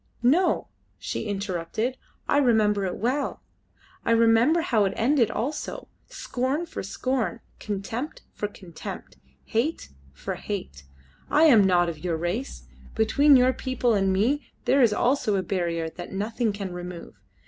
"No," she interrupted, "I remember it well. I remember how it ended also. Scorn for scorn, contempt for contempt, hate for hate. I am not of your race. Between your people and me there is also a barrier that nothing can remove.